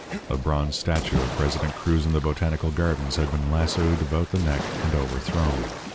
A bronze statue of President Cruz in the Botanical Gardens had been lassoed about the neck and overthrown.